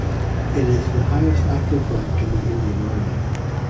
It is the highest active rank in the Indian Army.